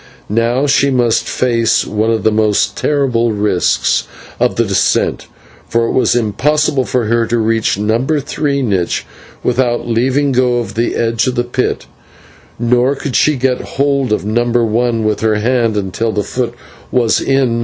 Now she must face one of the most terrible risks of the descent, for it was impossible for her to reach No. 3 niche without leaving go of the edge of the pit, nor could she get a hold of No. 1 with her hand until her foot was in No.